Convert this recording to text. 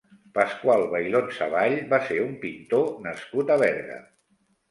Pasqual Bailon Savall va ser un pintor nascut a Berga.